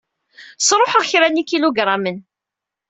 Sruḥeɣ kraḍ n yikilugramen.